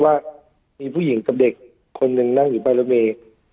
ว่ามีผู้หญิงกับเด็กคนหนึ่งนั่งอยู่ป้ายรถเมย์